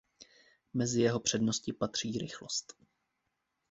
Mezi jeho přednosti patří rychlost.